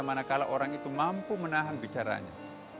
manakala orang itu mampu menahan bicaranya